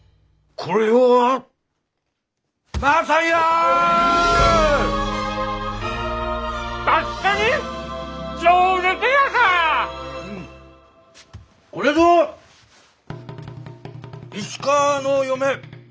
これぞ石川の嫁。